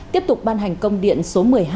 tiếp tục ban hành công điện số một mươi hai